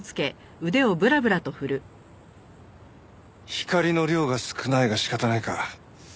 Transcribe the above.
光の量が少ないが仕方ないか。